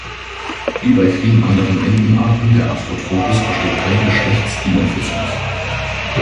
Wie bei vielen anderen Entenarten der Afrotropis besteht kein Geschlechtsdimorphismus.